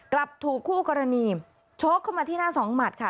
กลับถูกคู่กรณีชกเข้ามาที่หน้าสองหมัดค่ะ